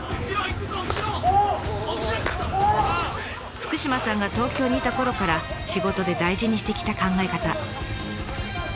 福島さんが東京にいたころから仕事で大事にしてきた考え方。